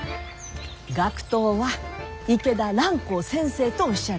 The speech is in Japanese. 学頭は池田蘭光先生とおっしゃる。